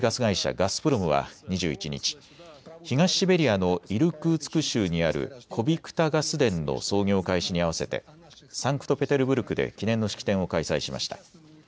ガスプロムは２１日、東シベリアのイルクーツク州にあるコビクタ・ガス田の操業開始に合わせてサンクトペテルブルクで記念の式典を開催しました。